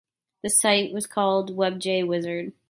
This site was called "Webjay Wizard".